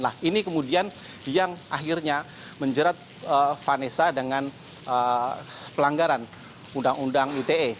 nah ini kemudian yang akhirnya menjerat vanessa dengan pelanggaran undang undang ite